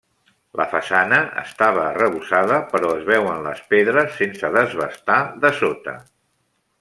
La façana estava arrebossada, però es veuen les pedres sense desbastar de sota.